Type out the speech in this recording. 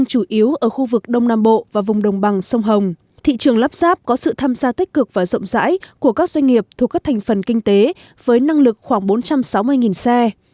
các doanh nghiệp thuộc các thành phần kinh tế với năng lực khoảng bốn trăm sáu mươi xe